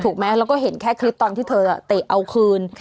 ถูกหรือไม่แล้วก็เห็นแค่คลิปตอนที่เธอเตะเอาขึ้น